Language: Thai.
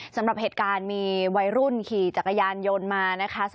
สำหรับเหตุการณ์มีวัยรุ่นขี่จักรยานยนต์มานะคะ